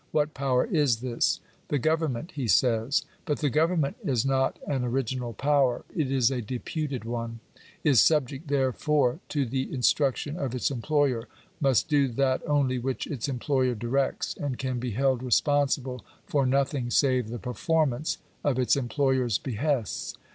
What power is this ? The government, he says. But the govern ment is not an original power, it is a deputed one — is subject therefore, to the instruction of its employer — must do that only which its employer directs — and can be held responsible for nothing save the performance of its employer s behests.